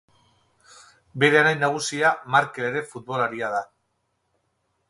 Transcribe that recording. Bere anai nagusia Markel ere futbolaria da.